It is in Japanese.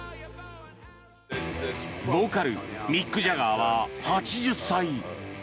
ボーカル、ミック・ジャガーは８０歳。